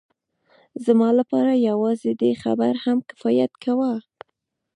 زما لپاره یوازې دې خبرې هم کفایت کاوه